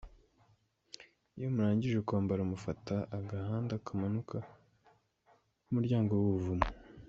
Iyo murangije kwambara mufata agahanda kamanuka ku muryango w'ubuvumo.